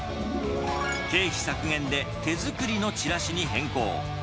経費削減で、手作りのチラシに変更。